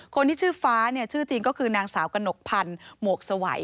คนที่ชื่อฟ้าชื่อจริงก็คือนางสาวกระหนกพันธ์หมวกสวัย